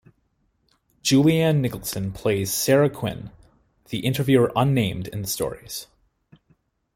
Julianne Nicholson plays Sara Quinn, the interviewer unnamed in the stories.